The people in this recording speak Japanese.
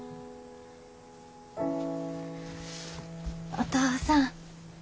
お父さん。